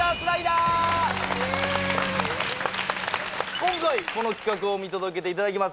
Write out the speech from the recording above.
今回この企画を見届けていただきます